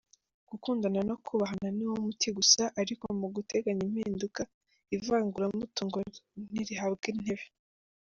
Gukundana no kubahana ni wo muti gusa, ariko mu guteganya impinduka, ivanguramutungo nirihabwe intebe.